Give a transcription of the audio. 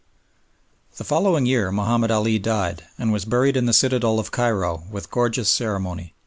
The following year Mahomed Ali died, and was buried in the citadel of Cairo with gorgeous ceremony.